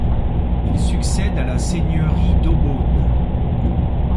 Il succède à la seigneurie d'Aubonne.